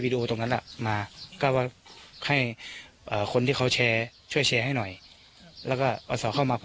วิดิโอตรงนั้นละมาก็ให้คุณที่เขาแชร์ช่วยแชร์มา